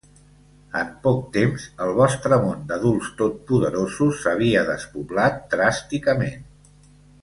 En poc temps, el vostre món d'adults totpoderosos s'havia despoblat dràsticament.